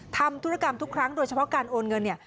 ธุรกรรมทุกครั้งโดยเฉพาะการโอนเงินเนี่ย